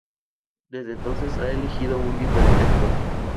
Desde entonces ha elegido un diferente enfoque.